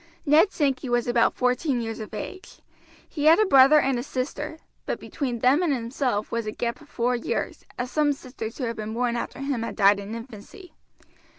Ned Sankey was about fourteen years of age. He had a brother and a sister, but between them and himself was a gap of four years, as some sisters who had been born after him had died in infancy.